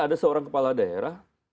ada seorang kepala daerah